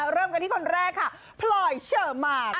เริ่มกันที่คนแรกค่ะพลอยเชอร์มาน